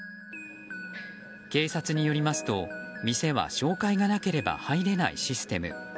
警察によりますと、店は紹介がなければ入れないシステム。